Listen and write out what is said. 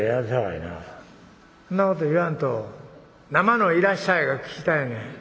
「そんなこと言わんと生の『いらっしゃい』が聞きたいねん。